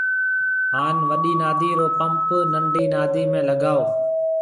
هان وڏِي نادِي رو پمپ ننڊِي نادِي ۾ لگائو